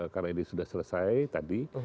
karena ini sudah selesai tadi